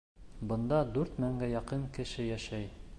— Бында дүрт меңгә яҡын кеше йәшәй.